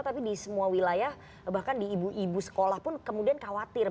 tapi di semua wilayah bahkan di ibu ibu sekolah pun kemudian khawatir